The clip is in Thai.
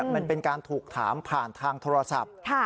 มันเป็นการถูกถามผ่านทางโทรศัพท์